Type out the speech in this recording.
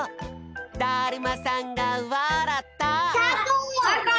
だるまさんがわらった！